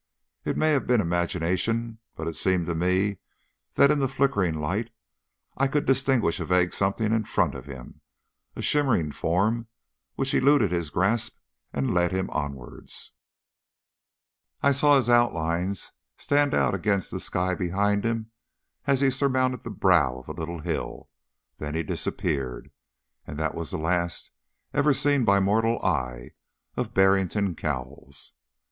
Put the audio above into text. It may have been imagination, but it seemed to me that in the flickering light I could distinguish a vague something in front of him a shimmering form which eluded his grasp and led him onwards. I saw his outlines stand out hard against the sky behind him as he surmounted the brow of a little hill, then he disappeared, and that was the last ever seen by mortal eye of Barrington Cowles.